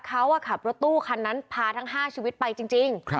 เขาขับรถตู้คันนั้นพาทั้ง๕ชีวิตไปจริง